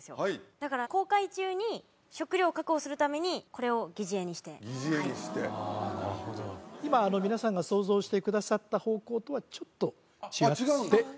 だから航海中に食料を確保するためにこれを擬似餌にしてはい擬似餌にして今皆さんが想像してくださった方向とはちょっと違って・あっ